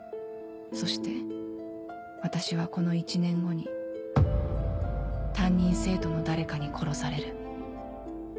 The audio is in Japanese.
そして私はこの１年後に担任生徒の誰かに殺される